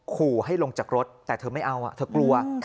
ขู่ให้ลงจากรถแต่เธอไม่เอาเธอกลัว